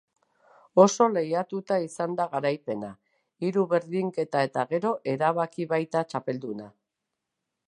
Oso lehiatuta izan da garaipena, hiru berdinketa eta gero erabaki baita txapelduna.